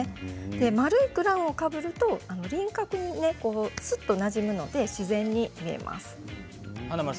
丸いクラウンをかぶると輪郭になじむので自然に見えます。